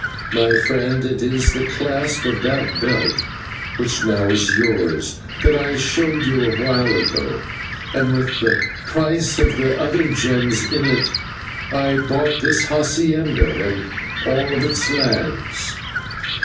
My friend, it is the clasp of that belt, which now is yours, that I showed you a while ago, and with the price of the other gems in it I bought this /hacienda/ and all its lands.